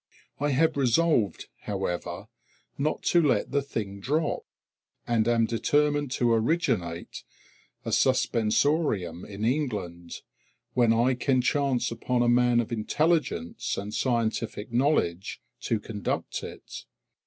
I have resolved, however, not to let the thing drop, and am determined to originate a Suspensorium in England, when I can chance upon a man of intelligence and scientific knowledge to conduct it.